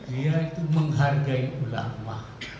dia itu menghargai ulama